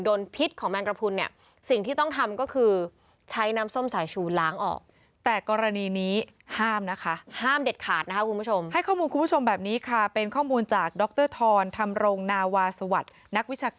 โดนพิษของแมงกระพุนเนี่ยสิ่งที่ต้องทำก็คือใช้น้ำส้มสายชูล้างออก